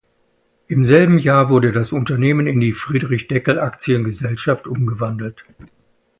Im selben Jahr wurde das Unternehmen in die "„Friedrich Deckel Aktiengesellschaft“" umgewandelt.